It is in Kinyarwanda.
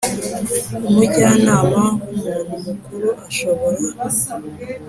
Umujyanama w umuntu mukuru ashobora